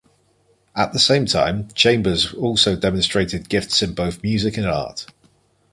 At the same time, Chambers also demonstrated gifts in both music and art.